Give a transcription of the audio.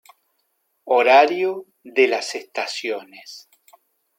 Horario de las estaciones